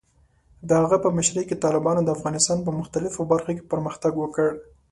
د هغه په مشرۍ کې، طالبانو د افغانستان په مختلفو برخو کې پرمختګ وکړ.